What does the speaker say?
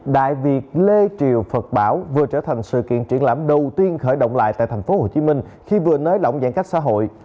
đại việt lê triều phật bảo vừa trở thành sự kiện triển lãm đầu tiên khởi động lại tại tp hcm khi vừa nới lỏng giãn cách xã hội